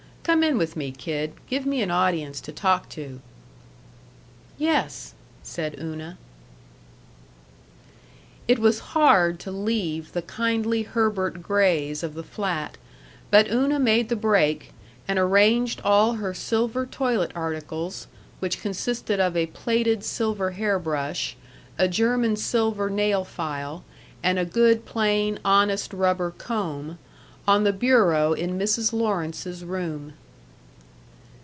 Come in with me, kid. Give me an audience to talk to." "Yes," said Una. § 2 It was hard to leave the kindly Herbert Grays of the flat, but Una made the break and arranged all her silver toilet articles which consisted of a plated silver hair brush, a German silver nail file, and a good, plain, honest rubber comb on the bureau in Mrs. Lawrence's room.